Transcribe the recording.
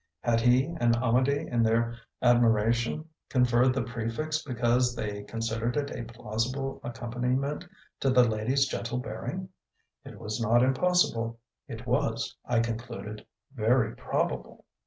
Had he and Amedee in their admiration conferred the prefix because they considered it a plausible accompaniment to the lady's gentle bearing? It was not impossible; it was, I concluded, very probable.